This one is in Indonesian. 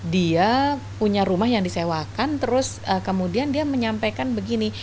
dia punya rumah yang disewakan terus kemudian dia menyampaikan begini